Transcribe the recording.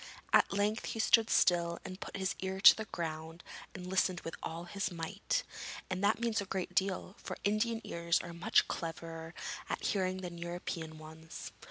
At length he stood still and put his ear to the ground and listened with all his might, and that means a great deal, for Indian ears are much cleverer at hearing than European ones.